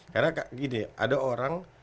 karena ada orang